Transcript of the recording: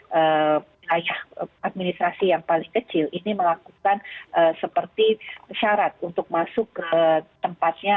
wilayah administrasi yang paling kecil ini melakukan seperti syarat untuk masuk ke tempatnya